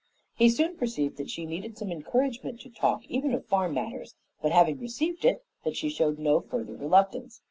He soon perceived that she needed some encouragement to talk even of farm matters; but, having received it, that she showed no further reluctance.